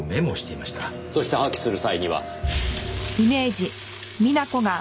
そして破棄する際には。